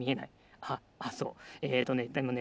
ああっそうえっとねでもね